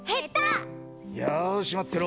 よし待ってろ！